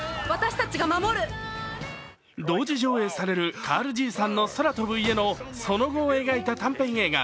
同時上映される「カールじいさんの空飛ぶ家」のその後を描いた短編映画